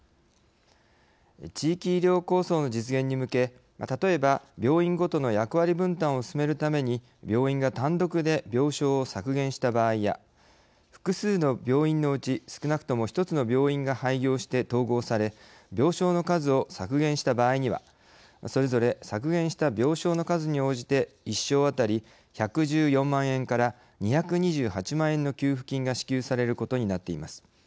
地域医療構想の実現に向け例えば、病院ごとの役割分担を進めるために病院が単独で病床を削減した場合や複数の病院のうち少なくとも１つの病院が廃業して統合され病床の数を削減した場合にはそれぞれ削減した病床の数に応じて１床当たり１１４万円から２２８万円の給付金が支給されることになっています。